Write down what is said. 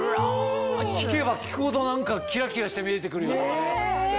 聞けば聞くほどキラキラして見えてくるよ。